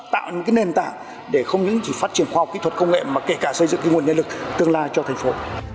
tạo những nền tảng để không chỉ phát triển khoa học kỹ thuật công nghệ mà kể cả xây dựng nguồn nhân lực tương lai cho thành phố